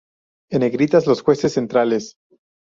En negritas los jueces centrales.